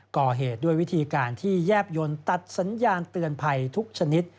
ก่อเหตุด้วยวิธีการที่แยบยนต์ตัดสัญญาณเตือนภัยทุกชนิด